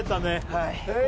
はい